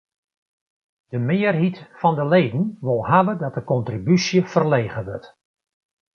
De mearheid fan de leden wol hawwe dat de kontribúsje ferlege wurdt.